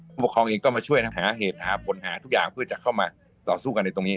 ผู้ปกครองเองก็มาช่วยทั้งหาเหตุหาผลหาทุกอย่างเพื่อจะเข้ามาต่อสู้กันในตรงนี้